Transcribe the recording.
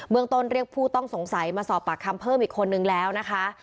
เมืองต้นเรียกผู้ต้องสงสัยมาสอบปากคำเพิ่มอีกคนนึงแล้วนะคะ